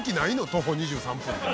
徒歩２３分って。